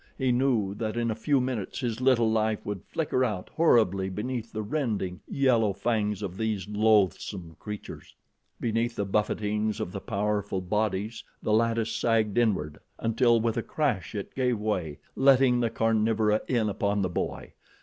He knew that in a few minutes his little life would flicker out horribly beneath the rending, yellow fangs of these loathsome creatures. Beneath the buffetings of the powerful bodies, the lattice sagged inward, until, with a crash it gave way, letting the carnivora in upon the boy.